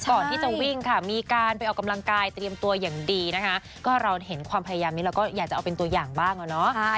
ก่อนที่จะวิ่งค่ะมีการไปออกกำลังกายเตรียมตัวอย่างดีนะคะก็เราเห็นความพยายามนี้เราก็อยากจะเอาเป็นตัวอย่างบ้างอะเนาะ